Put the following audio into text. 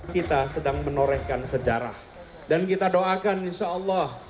kita sedang menorehkan sejarah dan kita doakan insya allah